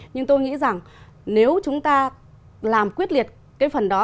nhưng tôi nghĩ rằng nếu chúng ta làm quyết liệt cái phần đó